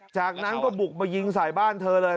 จากนั้นก็บุกมายิงใส่บ้านเธอเลย